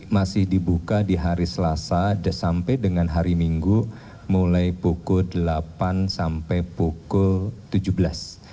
masih dibuka di hari selasa sampai dengan hari minggu mulai pukul delapan sampai pukul tujuh belas